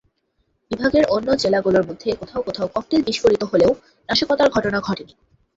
বিভাগের অন্য জেলাগুলোর মধ্যে কোথাও কোথাও ককটেল বিস্ফোরিত হলেও নাশকতার ঘটনা ঘটেনি।